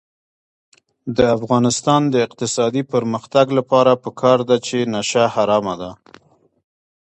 د افغانستان د اقتصادي پرمختګ لپاره پکار ده چې نشه حرامه ده.